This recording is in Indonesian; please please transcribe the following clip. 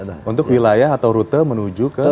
ada ya atau rute menuju ke